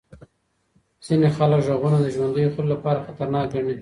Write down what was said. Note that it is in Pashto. ځینې خلک غږونه د ژوندیو خلکو لپاره خطرناک ګڼي.